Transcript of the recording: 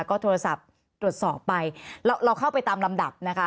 ก็โทรศัพท์ตรวจสอบไปเราเข้าไปตามลำดับนะคะ